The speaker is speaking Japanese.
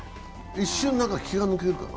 一瞬、気が抜けるかな？